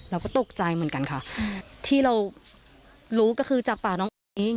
เราก็ตกใจเหมือนกันค่ะที่เรารู้ก็คือจากปากน้องแอ๋มเอง